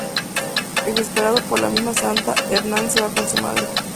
Exasperado por la mimada Santa, Hernán se va con su madre.